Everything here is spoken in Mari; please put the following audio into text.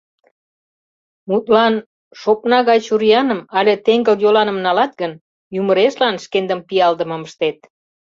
Мутлан, шопна гай чурияным але теҥгыл йоланым налат гын, ӱмырешлан шкендым пиалдымым ыштет.